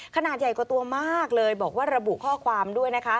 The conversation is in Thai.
ขนาดใหญ่กว่าตัวมากเลยบอกว่าระบุข้อความด้วยนะคะ